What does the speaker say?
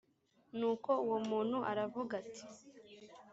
nuko uwo muntu aravuga ati